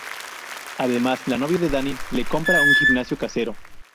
Además, la novia de Danny le compra un gimnasio casero.